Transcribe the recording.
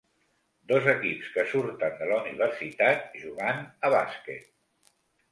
Dos equips que surten de la universitat jugant a bàsquet.